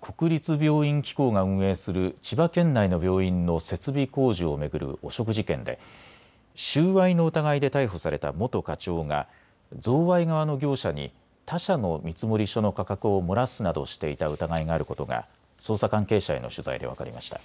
国立病院機構が運営する千葉県内の病院の設備工事を巡る汚職事件で収賄の疑いで逮捕された元課長が贈賄側の業者に他社の見積書の価格を漏らすなどしていた疑いがあることが捜査関係者への取材で分かりました。